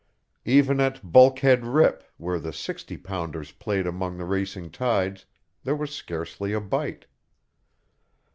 Even at Bulkhead Rip, where the sixty pounders played among the racing tides, there was scarcely a bite.